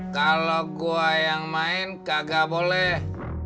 kalau gua yang main kagak boleh